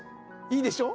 いいでしょ？